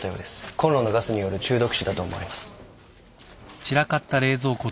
こんろのガスによる中毒死だと思われます。